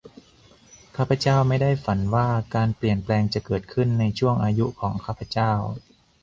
ข้าพเจ้าไม่ได้ฝันว่าการเปลี่ยนแปลงจะเกิดขึ้นในช่วงอายุของข้าพเจ้า